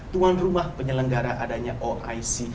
tuan rumah penyelenggara adanya oic